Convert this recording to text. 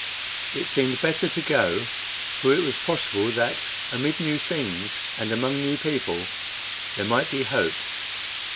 It seemed better to go, for it was possible that amid new scenes and among new people there might be hope.